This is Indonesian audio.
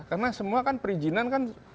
karena semua kan perizinan kan